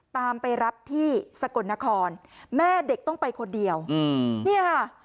ตามไปรับที่สกลนครแม่เด็กต้องไปคนเดียวอืมเนี่ยค่ะ